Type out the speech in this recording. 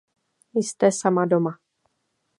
Jste sama doma.